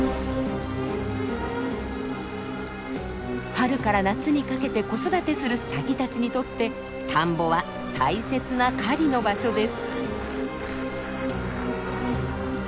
春から夏にかけて子育てするサギたちにとって田んぼは大切な狩りの場所です。